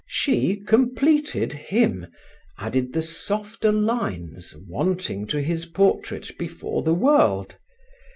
She completed him, added the softer lines wanting to his portrait before the world.